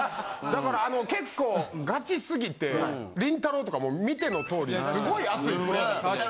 だから結構ガチすぎてりんたろーとかも見ての通りすごい熱いプレー。